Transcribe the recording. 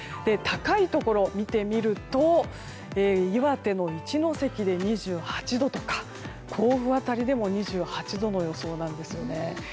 高いところを見てみると岩手の一関で２８度とか甲府辺りでも２８度の予想なんですね。